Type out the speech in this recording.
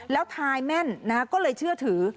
แล้วทายแม่นนะก็เลยเชื่อถือ